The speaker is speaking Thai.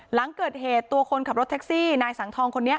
หลังเกิดเหตุตัวคนขับรถแท็กซี่นายสังทองคนนี้